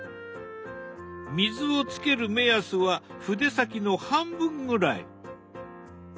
水をつける目安は筆先の半分ぐらい。